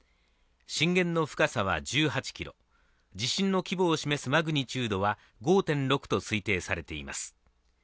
震源の深さは１８ｋｍ地震の規模を示すマグニチュードは５．６と推定されています。